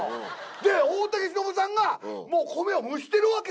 で大竹しのぶさんがもう米を蒸してるわけ。